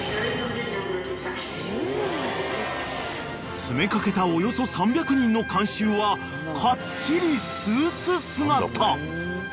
［詰め掛けたおよそ３００人の観衆はかっちりスーツ姿］